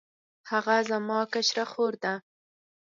هغه زما کشره خور ده